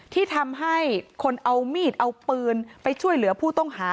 ที่ทำให้คนเอามีดเอาปืนไปช่วยเหลือผู้ต้องหา